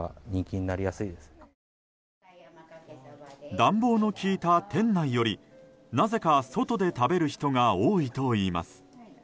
暖房の効いた店内よりなぜか、外で食べる人が多いといいます。